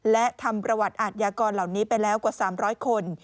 และทำประวัติอาทยากรเหล่านี้ไปแล้วกว่า๓๐๐คน